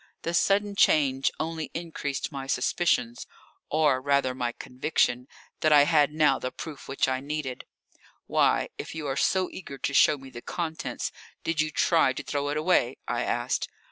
The sudden change only increased my suspicions, or rather my conviction, that I had now the proof which I needed. "Why, if you are so eager to show me the contents, did you try to throw it away?" I asked.